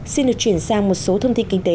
xin được chuyển sang một số thông tin kinh tế